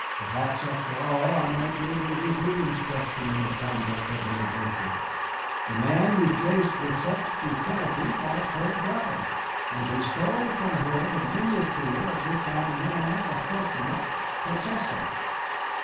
"Perhaps, after all, I might be able to give you instruction in the conduct of an adventure. The man you chased with such futility was her brother, and he stole from her the miniature of which I am now the fortunate possessor."